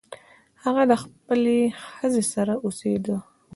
هغه له خپلې ښځې سره اوسیده.